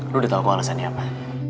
lu udah tau ke alasannya apa